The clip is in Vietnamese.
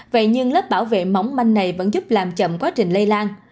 vậy nhưng lớp bảo vệ móng manh này vẫn giúp làm chậm quá trình lây lan